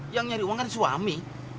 yang nyari uang kan suami